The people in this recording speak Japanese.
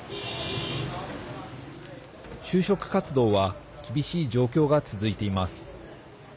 就職活動は厳しい状況が続いています。